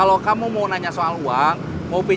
lagi pertama dengan dzahir